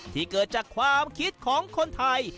ที่เกิดจากความคิดของคนไทย